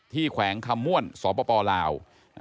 ที่แขวงคำม้วนสปลาว